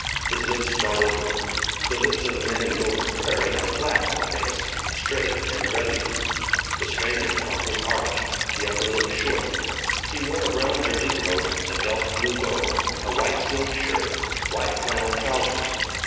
His lips startled her. The lips of men in Gopher Prairie are flat in the face, straight and grudging. The stranger's mouth was arched, the upper lip short. He wore a brown jersey coat, a delft blue bow, a white silk shirt, white flannel trousers.